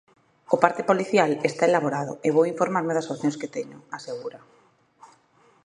O parte policial está elaborado e vou informarme das opcións que teño, asegura.